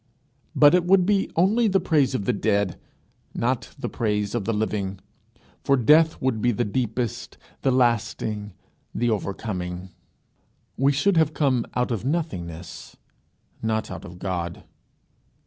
But it would be only the praise of the dead, not the praise of the living, for death would be the deepest, the lasting, the overcoming. We should have come out of nothingness, not out of God.